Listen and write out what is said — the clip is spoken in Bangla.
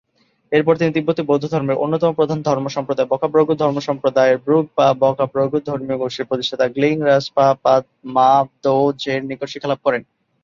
এরপর তিনি তিব্বতী বৌদ্ধধর্মের অন্যতম প্রধান ধর্মসম্প্রদায় ব্কা'-ব্র্গ্যুদ ধর্মসম্প্রদায়ের 'ব্রুগ-পা-ব্কা'-ব্র্গ্যুদ ধর্মীয় গোষ্ঠীর প্রতিষ্ঠাতা গ্লিং-রাস-পা-পাদ-মা-র্দো-র্জের নিকট শিক্ষালাভ করেন।